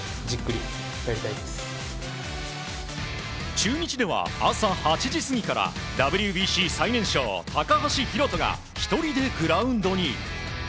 中日では朝８時過ぎからＷＢＣ最年少高橋宏斗が１人でグラウンドに。